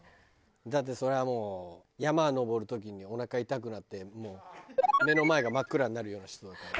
だってそれはもう山登る時におなか痛くなって目の前が真っ暗になるような人だから。